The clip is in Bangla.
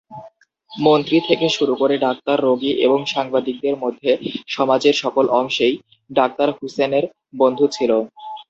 মন্ত্রী থেকে শুরু করে ডাক্তার, রোগী এবং সাংবাদিকদের মধ্যে সমাজের সকল অংশেই ডাক্তার হুসেনের বন্ধু ছিল।